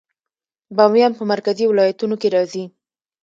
بامیان په مرکزي ولایتونو کې راځي